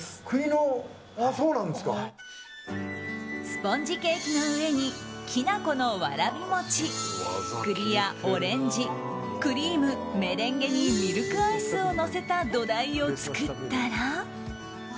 スポンジケーキの上にきな粉のわらび餅栗やオレンジ、クリームメレンゲにミルクアイスをのせた土台を作ったら。